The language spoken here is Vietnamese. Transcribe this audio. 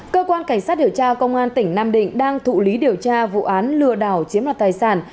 cơ quan cảnh sát điều tra công an tỉnh nam định đang thụ lý điều tra vụ án lừa đảo chiếm đoạt tài sản